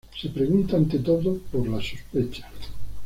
Se pregunta ante todo por la sospecha.